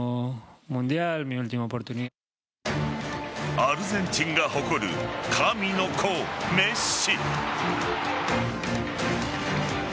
アルゼンチンが誇る神の子・メッシ。